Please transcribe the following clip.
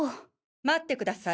待ってください。